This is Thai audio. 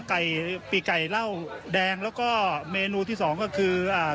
ไก่ปีกไก่เหล้าแดงแล้วก็เมนูที่สองก็คืออ่า